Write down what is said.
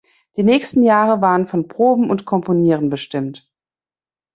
Die nächsten Jahre waren von Proben und Komponieren bestimmt.